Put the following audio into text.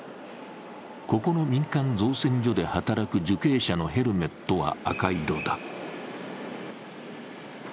ここの民間造船所で働く受刑者のヘルメットは赤色だ。